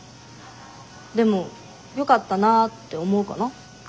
でも「よかったなぁ」って思うかな。